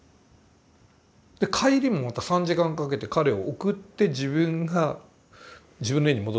帰りもまた３時間かけて彼を送って自分が自分の家に戻っていくんですよ。